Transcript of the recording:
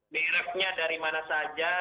mereknya dari mana saja